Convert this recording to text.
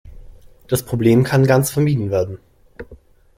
Das Problem kann ganz vermieden werden.